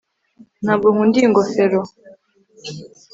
ntabwo nkunda iyi ngofero